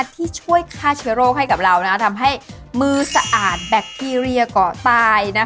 ที่ช่วยฆ่าเชื้อโรคให้กับเราทำให้มือสะอาดแบคทีเรียก่อตาย